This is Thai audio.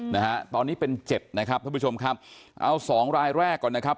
นะฮะตอนนี้เป็นเจ็ดนะครับท่านผู้ชมครับเอาสองรายแรกก่อนนะครับ